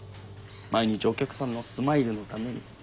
毎日お客さんのスマイルのために。